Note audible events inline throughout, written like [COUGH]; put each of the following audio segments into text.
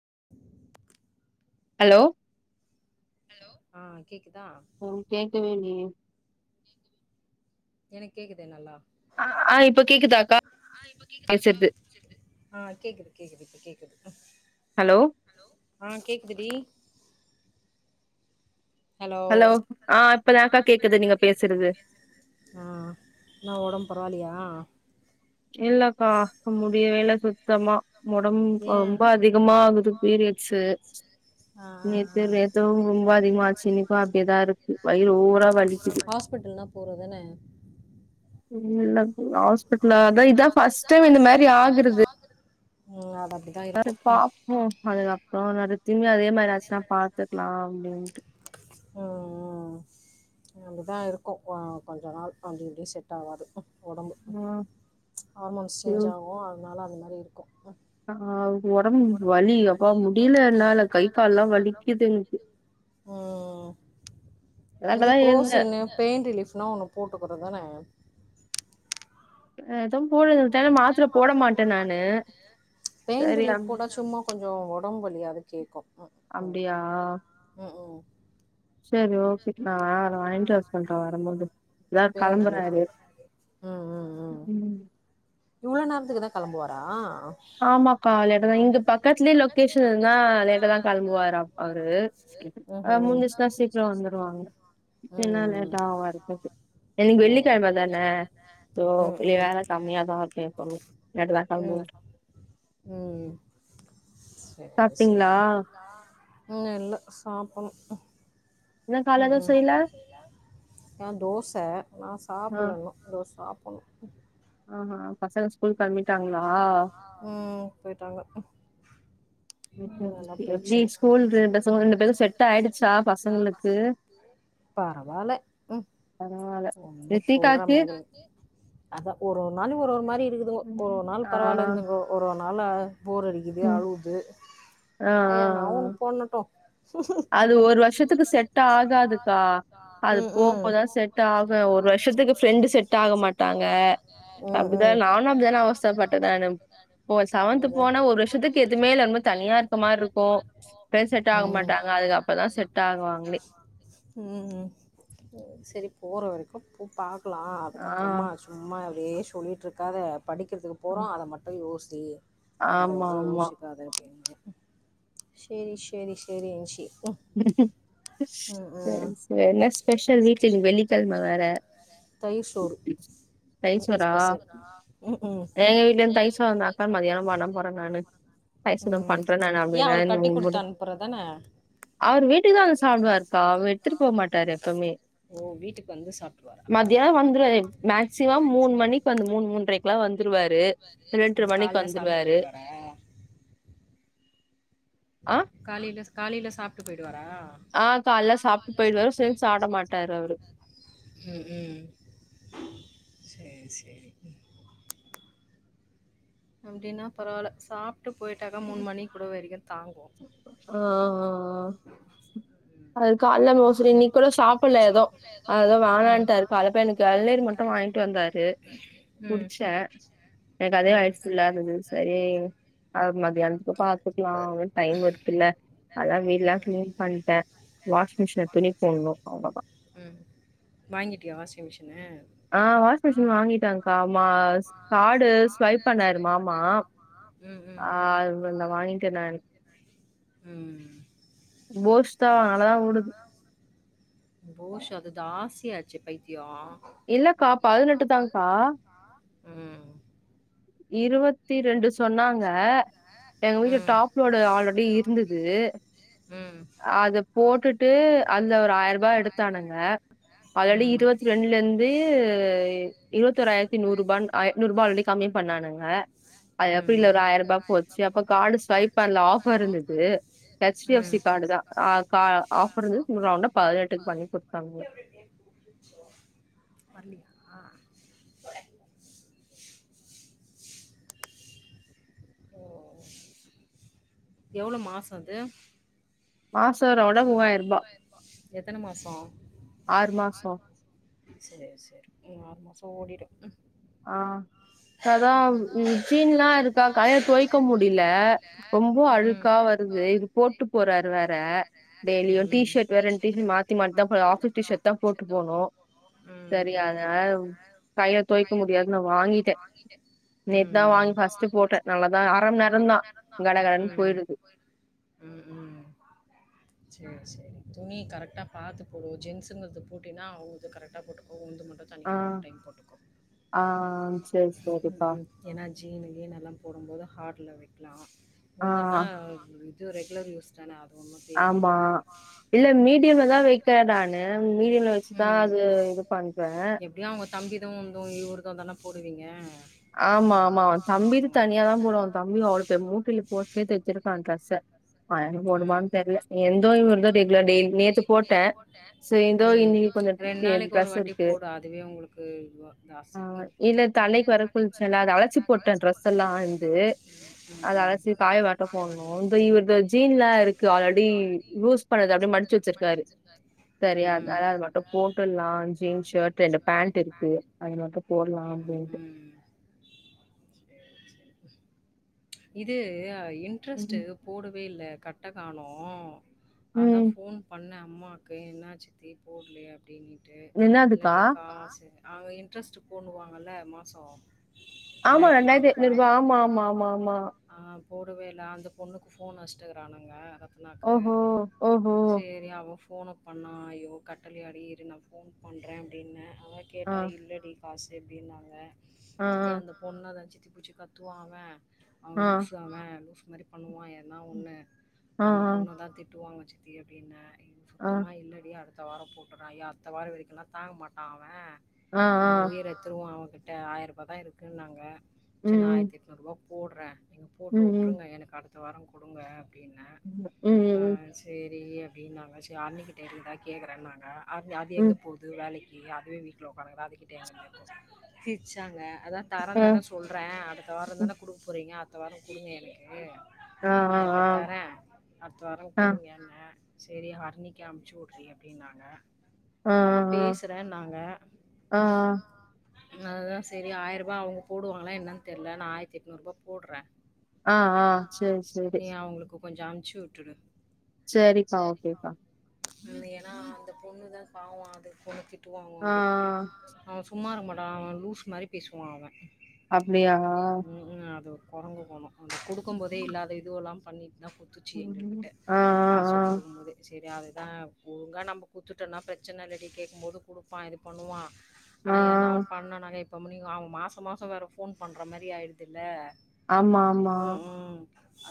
[INAUDIBLE] Hello hello ஆஹ் உம் கேக்கவே இல்லய எனக்கு கேக்குதே நல்லா ஆ இப்ப கேக்குதாக்கா பேசுறது ஆ கேக்குது கேக்குது இப்ப கேக்குது ஹலோ ஆஹ் கேக்குதுடி ஹலோ ஆ இப்பதாக்கா கேக்குது நீங்க பேசுறது ஆ என்ன ஒடம்பு பரவால்லயா இல்லக்கா முடியவே இல்ல சுத்தமா ஒடம்பு இப்ப ஏ ரொம்ப அதிகமா ஆகுது பீரியட்ஸு ஆ ஆ நேத்த ஆ நேத்தவும் ரொம்ப அதிகமா ஆச்சு இன்னைக்கு அப்டியேதா இருக்கு வயிறு ஓவரா வலிக்குது ஹாஸ்பிட்டல்னா போறதான இல்ல ஆஸ்பிட் ஹலோ அதா இதா ஃபர்ஸ்ட் டைம் இந்த மாரி ஆகுறது உம் அத சரி பாப்போ அதுக்கப்றோ [UNINTELLIGIBLE] திரும்பி அதே மாதிரி ஆச்சுன்னா பாத்துக்கலா அப்டின்ட்டு ம் அப்டிதா இருக்கு ஆ கொஞ்ச நாள் அப்டி இப்டி செட் ஆகாது ஒடம்பு ம் ஹார்மோன்ஸ் சேஞ்ச் ஆகு அதனால அந்த மா மாரி இருக்கு அஹ் ஆஹ் உடம்பு வலி அப்பாமுடியல என்னால கை கால்லாம் வலிக்குது ம்ம்ம் விளாடதா இருந்தே இதுக்ரோஸின்னு பெயின் ரிலீஃப் லாம் ஒன்னு போ போட்டுக்கற தான ஏதோ மாத்திரை போட மாட்டேன் நானு பெயிண் சரி ரிலீப் அப் போட்டா சும்மா கொஞ்சம் உடம்புவலியாது கேக்கும் அப்டியா சரி ஓகே நான் அவர வாங்கிட்டு வர சொல்றன் வரும்போது இப்பதான் பெயின் ரிலீஃப் கிளம்புறாரு ம் இவ்ளவு நேரத்துக்குதான் கெளம்புவாரா ஆமாக்கா லேட்ட தான் இங்க பக்கத்துலேயே லொக்கேஷன் இருந்தா லேட்டா தான் கிளம்புவாரு அவரு ம்ஹும் முடுஞ்ச்சுச்சுனா சீக்கிரம் வந்துருவாங்க என்னா லேட்டாவும் வரதுக்கு இன்னக்கி ம் வெள்ளிக்கெழமை தான சோ ம் ம் வேலை கம்மியாதான் இருக்கும் [UNINTELLIGIBLE] உம் சேரி சாப்ட்டீங்களா சேரி இன்னும் இல்லை சாப்ணும் இன்னு கால உம் எதுவு செய்யல ஏ தோசை நான் சாப்பிலன்னும் தோ சாப் ஆ ஆஹ் ஹ பசங்க ஸ்கூல் கெளம்பிட்டாங்களா ம் போய்ட்டாங்க நல்லா எப்டி போயிச்சு ஸ்கூல் பசங்க ரெண்டு பேரு செட் ஆயிடுச்சா பசங்களுக்கு பரவாயில் பரவால்ல ஒன்னும் சொல்ற ரித்திகாக்கு மாரி அத ஒரு ஒரு நாள் ஒரு ஒரு மாரி இருக்குது ஒ ஒரு ம்ஹும். நாள் ஆ பரவாயில்ல இருந்துங்கோ ஒரு அனால போர் அடிக்குது ம் அழுகுது ஆ ஆ ஆ. எதனாஒன்னு பண்ணட்டும் அது ஒரு வருஷத்துக்கு செட் ஆகாதுக்கா அது ம் ம் போகபோகதான் செட் ஆகும் ஒரு வருஷத்துக்கு ஃப்ரெண்டு் செட் ஆக மாட்டாங்க அப்டிதான் நானும் நானும் அப்படினா அவசர போனா ஒரு வருஷத்துக்கு எதுவுமே இல்ல தனியா இருக்க மாரி இருக்கும் ஃப்ரெண்ட்ஸ் செட் ஆக மாட்டாங்க அதுக்கு அப்பதா செட் ஆகுவாங்களே ம் ம் சே சேரி போற வரைக்கும் போய் பாக் க்கலாம் அதுக்க ஆ அப்புறமா சும்மா இப்டியே சொல்லிட்ரிரு [UNINTELLIGIBLE] படிக்கிறதுக்கு ஆ போறோம் அதை மட்டும் யோசி இதே வேற ஆமா, ஆமா. எதுயோசிக்காத இரு சேரி சேரி சேரி அன்சி தேங்க்ஸ்ங்க என்ன ஸ்பெஷல் வீட்ல வெள்ளிக்கெழமை வேற தயிர் தயிற்சோரா உம் ஊஹ் இருந்தாக்கா மதியானம் பண்ண போறேன் நானு. தயிர் சாதம் பண்றேன் நானு ஏன் அவரு கட்டி குடுத்து அப்டின்னாரு அனுப்புறதானே அவரு வீட்டுக்கு தான் வந்து சாப்பிடுவாருக்கா. அவரு எடுத்துட்டு போ மாட்டாரு எப்பவுமே. ஓ வீட்டுக்கு வந்து சாப்பிடுவாரா மதியானம் வந்துருவாரு. மூன்றரைக்குல்லா வந்துருவாரு ரெண்டர ம் மணிக்கு கால்ல சாப்ட்டு வந்துருவாரு போயிடுவாரா காலையில காலையில சாப்ட்டு போயிடுவார் ஆஹ் கால சாப்ட்டு போயிருவாரு சேர்த்து சாப்ட மாட்டாரு அவரு ம் ம் சேரி சேரி அப்டின்னா பரவால்ல சாப் ஆஹ் ஹ் ஹ் அது கால்ல மோஸ்ட்லி இன்னக்கி கூட சாப்டல எதும் அத வேணான்டாரு கால்ல எனக்கு இளநீர் மட்டும் வாங்கிட்டு வந்தாரு ம் குடிச்சே அதே ம் வயிறு ஃபுல்லா இக்குது சேரி மதியானத்துக்கு பாத்துக்கலாம் டைம் இருக்குல அதா வீடெல்லாம் ம் கிளீன் பண்ணட்டேன் வாஷிங் மெஷின்ல துணி இன்னும் அவ்ளதா உம் வாங்கிட்டியா வாஷிங் மிஷின் ஆஹ் வாஷிங் மிஷின் வாங்கிட்டோங் கா மா கார்டு ஸ்வைப் பண்ணாரு மாமா ம் ம் ஆஹ் வாங்கிட்டே நா ம். ஓஸ் தா நல்லா தா ஓடுது ஓசா அது ஜாஸ்தி ஆச்சு பைத்திய இல்லக்கா பதினெட்டுதான்கா ம். இருவத் இருவத்தி ரெண்டு சொன்னாங்க எங்க வீட்டு டாப்லோடு ஆல்ரெடி இருந்தது ம். அத போட்டுட்டு அந்த ஒரு ஆயிரம் ரூபா எடுத்தானுங்க ஆல்ரெடி ம். இருபத்தி ரெண்டுல இருந்து இருவத்தொ ஆயிரத்தி நூறு ரூபா நூறு ரூபா ஆல்ரெடி கம்மி பண்ணானுங்க அது அப்டி இல்ல ஒரு ஆயிரம் ரூபா போச்சு அப்ப கார்டு ஸ்வைப் பண்ணல ஆஃபர் இருந்தது ஹெச் டி எஃப் ம். சி கார்டு தான் ஆஃபர் இருந்தது ரவுண்டா பதினெட்டுக்கு பண்ணி குடுத்தாங்க ஆஹ் ஓ எவ்ளோ மாசம் அது மாசோ ரவுண்டா மூவாயிர ரூபா எத்தன மாசம் ஆறு மாசோ சேரி சேரி ஆறு மாசம் ஓடிடும் ஆஹ் அதான் ஜீன்லா இருக்கா கைல துவயக்க முடில ரொம்ப அழுக்கா வருது இது போட்டு போறாரு வேற டெய்லியும் டி சேரி ஷர்ட் வேற டீ ஷர்ட் மாத்தி மாத்தி தா ஆபீஸ் டீஷர்ட் தா போட்டு போணும் சரி போனு அதனால கைல துய் உம் நேத்து தான் வாங்கி ஃபர்ஸ்ட்டு உம் போட்டேன். நல்லா தான் மணி நேரம் தான். உம் கடகடன்னு போயிடுது. உம் உம் சேரி சேரி துணி கரெக்டா பாத்து போடு ஜென்சுங்கனது போட்டினா அவுங்கது கரெக்டாக போட்டுக்கங் மட்டும் ஆ, தனியா ஒரு டைம் போட்டுக்க ஆ சரி, சரிப்பா. ஏன ஜீன்னுகினுலாம் போடும்போது ஹார்ட் ள்ள வைக்கலாம் ஆ, [UNINTELLIGIBLE] ரெகுலர் யூஸ்னா ஆமா. இல்ல மீடியம்ல தான் வைக்கிறேன் நானு. மீடியம்ல வச்சு தான் அது இது பண்றேன். எப்படினஅவங்க தம்பிதும் வ [UNINTELLIGIBLE] போடுவீங்க ஆமா ஆமா அவன் தம்பிக்கு தனியா தான் போடுவோம் அவன் தம்பி அவள பே மூட்டில போச்சே தைச்சிருக்கான் ட்ரெஸ்ஸ அவன் எனக்கு உம் போடுவான்னு தெர்ல. என்தோ இவன்தோ ரெகுலர் டெய்லி நேத்து போட்டேன். சரி ஏதோ இன்னைக்கு கொஞ்சோ ரெண்டு நாளைக்கு ஒரு ட்ரெஸ் வாட்டி இருக்கு போடு அதுவே உங்களுக்கு ஜாத்தி குளிச்சனல்ல அது அழச்சி போட்டேன் டிரெஸ் எல்லாம் வந்து ம், அதை ம். அழச்சி காயவாட்ட போடணும் இந்த இவ ஜீன் இருக்கு ஆல்ரெடி யூஸ் பண்ணறது அப்படிய மடிச்சு வச்சிருக்காரு சரியா ம், ம். அதனால அது மட்டும் போட்டுலாம் ஜீன்ஸ் ஷர்ட் அண்டு பேண்டட் இருக்கு அது மட்டும் போடலாம் ம், அப்படின்னுட்டு ம். இது இன்ட்ரெஸ்ட்டு போடவே இல்ல கட்ட காணோம் ம் அதான் போன் பண்ணேன் உமாக்கு என்னா சித்தி போடலியா அப்படினுட்டு என்னதுக்கா நிறைய காசு நாங்க இன்ட்ரெஸ்ட்டு போண்ணுவாங்கல மாசம் ஆமா ரெண்டாயிரத்து ரெண்டாயிரத்தி எட்நூறுபா எட்னுநூறு ஆமா ஆமா வா ஆமா ஆமா போடவே இல்ல ல அந்த பொண்ணுக்கு போன் வச்சு க்குறானுங்க ண்ணாக்கு ஓஹோ ஓஹோ செரி ஆ ஃபோனை பண்ண ஐய்யோ கட்டல யாடி இரு நான் ஃபோன் பண்ணுறேன் அப்புடின்னே அவள் ஆ கேட்டா இல்லடி காசு எப்படின்னாங்க ஆ ஆ சித்தி அந்த பொண்ண தான் சி த்தி புடிச்சி கத்துவான் அவன் அவன் ஆ லூசு அவன் அந்த மாரி பண்ணுவான் ஒண்ணு ஆ அந்த பொண்ணு தான் திட்டுவாங்க வச்சு சுத்தி அப்டின்னேன் ஆ ஆ சுத்தமா இல்லடி அடு த்த வாரம் போட்டுறான் ஐயோ அடுத்த வாரம் வரக்கெல்லாம் தாங்க மாட்டான் அவன் ஆ ஆ அவுங்க உயிர் எத்துருவம் அவ எகிட்ட ஆயிர ரூபாய் தான் இருக்குனு நாங்க ம் சரி நான் ம் ஆயிரத்திஎட்னூருவா போடுறேன் நீங்க போட்டு ம் ம் விட்டுருங்க எனக்கு அடு தொ வர குடுங்க அப்டின்னெ ம் ஆ ம் சேரி அப்டின்னாங்க சே அண்ணிக்கிட்ட இருந்தா கேக்குறேன்னாங்க அது அது ம் எங்கே போது வேலை கி அதுவே வீட்ல ஒக்காந்துகிது அதுக்கிட்ட [UNINTELLIGIBLE] சிரிச்சாங்க அதா தரொந்தானே ம் சொல்றே அடுத்த வாரந் ம் தானே குடுக்போறீங்க இந்த வார குடுங்க எனக்கு ஆ நா இப்ப ஆ தரே அடுத்த வார ஆ குடுங்க என்ன சேரி ஹர்ணிக்கி அமிச்சி வுட்றி அப்டின்னாங்க ஆ ஆ அதா பேசுறேன்னாங்க ஆ ஆ அதா சேரி ஆயருபா அவுங்க போடுவாங்களா என்னன் தெர்ல நா ஆயிரத்தி எட்நூருபா போடுறே ஆ ஆ சேரி நீ அவுங்களுக்கு கொஞ்ச அம்ச்சிவுட்டுடு சேரி பா ஓகே பா ஏனா அந்த பொண்ணுதா பாவொ அது பொண்ணு திட் டு வாங்கு ஆ அது அவ ‌சும்மா இருக்க மாட் டா அவ லூசு மாரி பேசுவா அவ அப்டியா ம் ம் அது ஒரு கொரங்கு கொண அந்த குடுக்கும் போதே இல்லாத இ துவுல்லா பண்ணி னு குத்துச்சு எங்க ம் கிட்ட ஆ ஆ காசு குடுக்கும்போதே சேரி அதுதா ஒழுங்கா நம்ம குத்துட்டோனா ப்ரச்சன இல்லடி கேக்கும் போது குடுப்பா இது பண்ணுவா ஆ ஆ ஆனா என்னவொ பண்ணு நாலெ தம்முனி அவுங்க மாச மாச வேற ஃபோன் பண்ற மாதிரி ஆயிடுதில்ல ஆமா ஆமா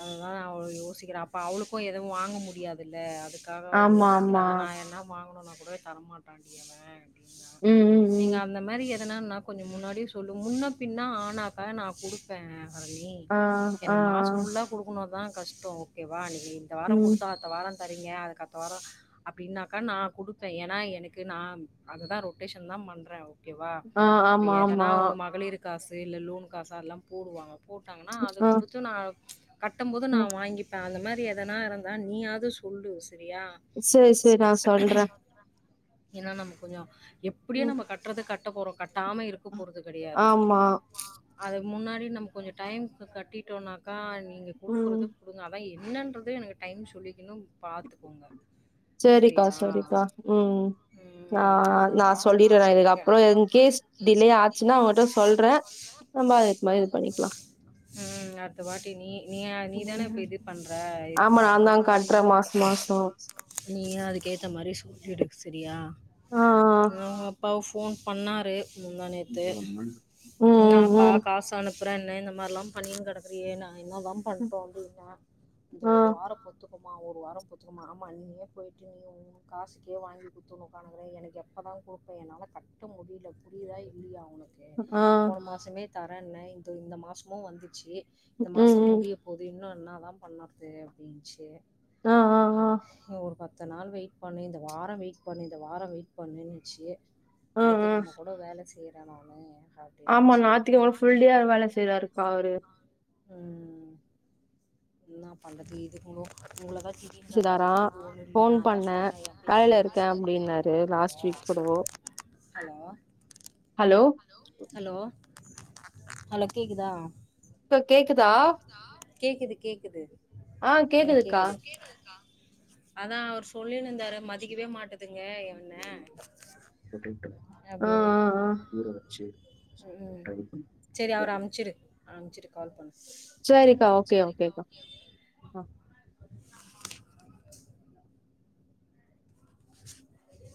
அதுதாநா அவ்ளொ யோசிக்கிறே அப்ப அவளுக்கு எதுவு வாங்க முடியாதுல்ல அதுக் க்காக அவ ஆமா யோசிக்கிறா ஆமா நா என்ன [UNINTELLIGIBLE] போனா கூட தரமாட்டான்டி அவே ம் ம் நீங்க ம் அந்த மாரி எ ன்னனா நா கொஞ்ச முன்னாடியே சொல்லு முன்ன பின்ன ஆனாக்கா நா குடுப்பே ஆனி ஆ என்ன ஆ ஆ மாசம் ஃபுல்லா ம்மதா கஷ்டொ ஓகேவா நி இந்த வாரம் ம் கொடுத்தா அடுத்த வாரம். சரிங்க அதுக்கடுத்த வாரோ அப்படின்னாக்கா நா குடுத்த ஏன்னா எனக்கு நா அதுதான் ரொட்டேஷன் தான் பண்ற. ஓகேவா ஆ இப்ப ஆமா எதனா ஆமா ஒண்ணு மகளிருக்கு. காசு இல்ல லோன் காசு எல்லாம் போடுவாங்க. போட்டாங்கன்னா அத ஆ குடுத்து நா. கட்டும் போது நா ஆ வாங்கிப்ப அந்த மாரி. எதனா இருந்தா நீயாவது சொல்லு. சரியா? சேரி சேரி நா சொல்ற. ஏன்னா நம்ம கொஞ்சோ. எப்படியோ நம்ம கட்டுறது க. ட்டப்போறோ கட். நாம இருக்க போறது கிடையாது. ஆமா அதுதா. முன்னாடி நம்ம கொஞ்சோ டைம் கட்டிட்டோம்னாக்கா. ம் குடுக்குறது. [UNINTELLIGIBLE] என்னன்றது எனக்கு டைம் சொல்லிக்கணும். பாத்துக்கோங்க. சரிக்கா சரியா சரிக்கா ம் உஹம் நா அதுதான் நானு நா காசு சொல்லிடுறே சொல்லிர [UNINTELLIGIBLE] இதுக்கப்புறோ இன்கேஸ் டிலே ஆச்சுன்னா அவங்கட்ட சொல்றே நம்ம அதுக்கு மாரி இது பண்ணிக்கலா உம் அடுத்த வாட்டி நீ. நீயா நீதான இப்ப இது பண்ற ஆமா அதுக்கு நான்தா ஏத்த மாரி கட்றே நீ. மாச மாசோ நீய அதுக்கேத்த மாரி சொல்லிடு. சேரியா. ஆ ஆ [UNINTELLIGIBLE] ஃபோன் பண்ணாரு. முந்தாணேத்து ம் என்னப்பா ம் காசனுக்கு. [UNINTELLIGIBLE] என்ன இந்த மாதிரில்லா பண்ணிணு கிடக்கறியே நாங்க. என்னதான் பண்றோ அப்படின்னா இந்த ஆ ஒரு வாரம் பொத்து. அப்போமா ஒரு வாரம் பொருத்துக்கோமா ஆமா நீயே போயிட்டு நீ உம் காசுக்கே வாங்கி கொத்துண உக்காணுக்குற எனக்கு எப்போ தான் கொடுப்ப என்னால கட்ட முடியல புரியுதா இல்லையா அவனு. ஆஹ. தரேன இந்த இந்த மாசமும் வந்துச்சு. இந்த ம் மாசோ ம் முடிய போது இன்னு. என்னதான் பண்ணறது அப்படின்னுச்சு. ஆ ஆ ஆ ஆஹஹேஹா ஒரு பத். இத்தன் நாள் வெயிட் பண்ணி இந்த வாரம் வெயிட் பண்ணி இந்த வாரம் வெயிட் பண்ணியாச்சு. ஆ ஆ ஞாயித்துகிழம கூட வேலை செய்யற ஏமா ஒன்னு ஆமா அப்டினுச்சி ஞாயித்துக்கெழம ஃபுல் டே வேல செய்றாருக்கா அவரு உம் என்ன பண்றது இதுங்குளோ உங்கள வச் [INAUDIBLE] ஹலோ செய்தாரா ஃபோன் பண்ணே வேலைல இருக்கே அப்டின்னாரு லாஸ்ட் வீக் கூடவோ ஹலோ ஹலோ ஹலோ கேக்குதா இப்ப கேக்குதா கேக்குது கேக்குது ஆஹ் கேக்குதுக்கா அதான் அவர் சொல்லினு இந் ச்சி பம்கிளரி பொட்டேட்டோ ஆன் ஆன் ஆன் ஊறவச்சி உம் சரி அவரு அமிச்சுரு அமுச்சிட்டு கால் பண்ணு சரிக்கா ஓக்கே ஓக்கே கா [INAUDIBLE]